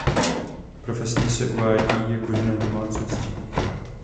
Profesně se uvádí jako žena v domácnosti.